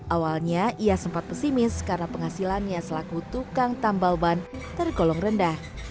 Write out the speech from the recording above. awalnya ia sempat pesimis karena penghasilannya selaku tukang tambal ban tergolong rendah